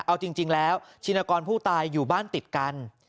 เอาจริงแล้วชินกรผู้ตายอยู่บ้านติดกัน